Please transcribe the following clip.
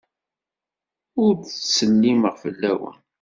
Ur d-ttsellimeɣ fell-awen.